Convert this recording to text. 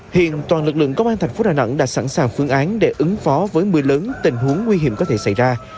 hiện toàn lực lượng công an thành phố đà nẵng đã sẵn sàng phương án để ứng phó với mưa lớn tình huống nguy hiểm có thể xảy ra